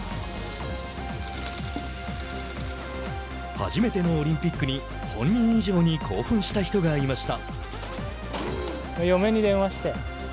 初めてのオリンピックに本人以上に興奮した人がいました。